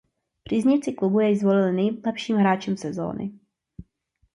Příznivci klubu jej zvolili nejlepším hráčem sezóny.